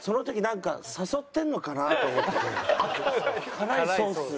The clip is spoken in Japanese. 辛いソースで。